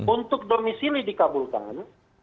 untuk domisili dikabulkan